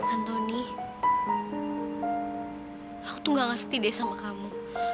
anthony aku tuh gak ngerti deh sama kamu